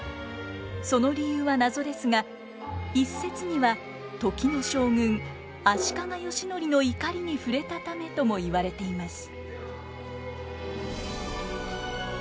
その理由は謎ですが一説には時の将軍足利義教の怒りにふれたためとも言われています。